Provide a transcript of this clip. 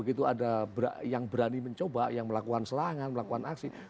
begitu ada yang berani mencoba yang melakukan serangan melakukan aksi